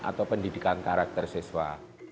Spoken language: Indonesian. atau pendidikan karakter siswa